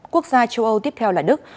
quốc gia châu âu tiếp theo là đức